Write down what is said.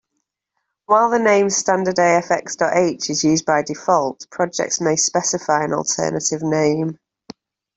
While the name stdafx.h is used by default, projects may specify an alternative name.